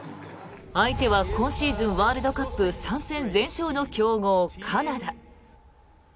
相手は今シーズンワールドカップ３戦全勝の強豪カナダ。